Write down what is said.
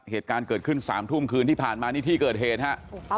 เหตุการณ์เกิดขึ้น๓ทุ่มคืนที่ผ่านมานี่ที่เกิดเหตุฮะ